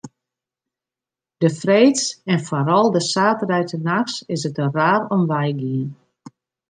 De freeds en foaral de saterdeitenachts is it der raar om wei gien.